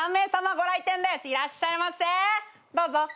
どうぞ。